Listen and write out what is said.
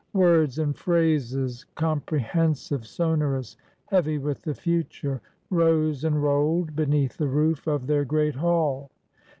Words and phrases, comprehensive, sonorous, heavy with the future, rose and rolled beneath the roof of their great hall.